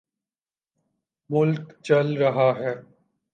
ملک چل رہا ہے۔